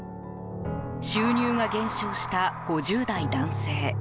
収入が減少した５０代男性。